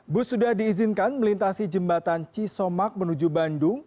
bus sudah diizinkan melintasi jembatan cisomak menuju bandung